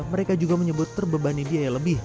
mereka juga menyebut terbebani biaya lebih